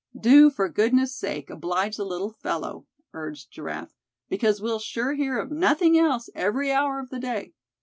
"Do for goodness' sake oblige the little fellow," urged Giraffe. "Because we'll sure hear of nothing else every hour of the day.